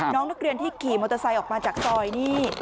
น้องนักเรียนที่ขี่มอเตอร์ไซค์ออกมาจากซอยนี่